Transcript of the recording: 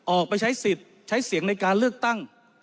ออกไปใช้สิทธิ์ใช้เสียงในการเลือกตั้ง